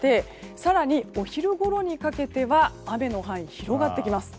更に、お昼ごろにかけては雨の範囲が広がってきます。